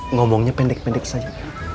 ngomongnya pendek pendek saja